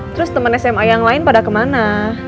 terus teman sma yang lain pada kemana